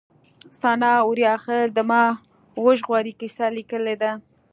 سناء اوریاخيل د ما وژغورئ کيسه ليکلې ده